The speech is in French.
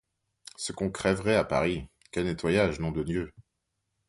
Ce qu’on crèverait à Paris! quel nettoyage, nom de Dieu !